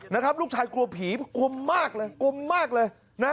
นะครับลูกชายกลัวผีกุมมากเลยกุมมากเลยนะ